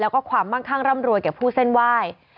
แล้วก็ความมั่งคั่งร่ำรวยแก่ผู้เส้นไหว้